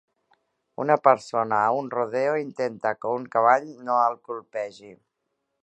Una persona a un rodeo intenta que un cavall no el colpegi.